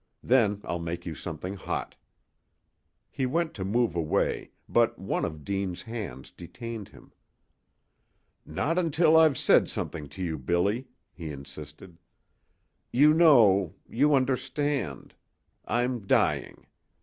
Then I'll make you something hot." He went to move away, but one of Deane's hands detained him. "Not until I've said something to you, Billy," he insisted. "You know you understand. I'm dying.